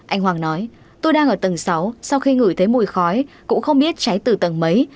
anh hoàng nói tôi đang ở tầng sáu sau khi ngửi thấy mùi khói cũng không biết cháy từ tầng mấy